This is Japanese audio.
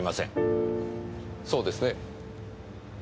そうですね？